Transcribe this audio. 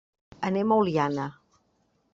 Anem a Oliana.